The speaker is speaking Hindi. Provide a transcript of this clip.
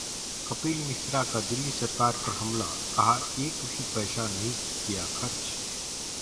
कपिल मिश्रा का दिल्ली सरकार पर हमला, कहा- एक भी पैसा नहीं किया खर्च